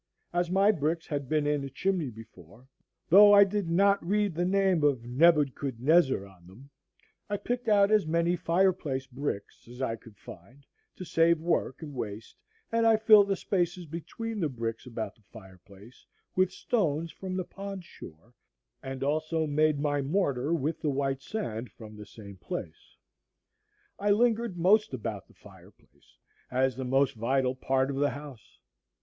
As my bricks had been in a chimney before, though I did not read the name of Nebuchadnezzar on them, I picked out as many fire place bricks as I could find, to save work and waste, and I filled the spaces between the bricks about the fire place with stones from the pond shore, and also made my mortar with the white sand from the same place. I lingered most about the fireplace, as the most vital part of the house.